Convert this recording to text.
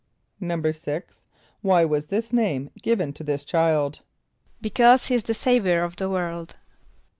"= =6.= Why was this name given to this child? =Because he is the Saviour of the world.